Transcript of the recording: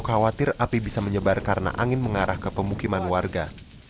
khawatir api bisa menyebar karena angin mengarah ke pemukiman warga